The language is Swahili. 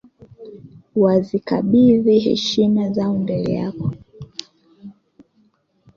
Wazikabithi heshima zako mbele yako.